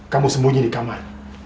kamu sembunyi di kamar